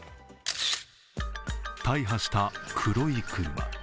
大破した黒い車。